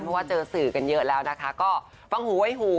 เพราะว่าเจอสื่อกันเยอะแล้วนะคะก็ฟังหูไว้หู